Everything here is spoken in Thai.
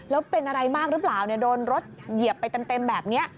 แล้วเป็นอะไรมากหรือเปล่าโดนรถเหยียบไปเต็มแบบนี้